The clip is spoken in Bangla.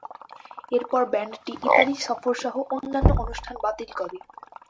এরপর ব্যান্ডটি ইতালি সফরসহ অন্যান্য অনুষ্ঠান বাতিল করে।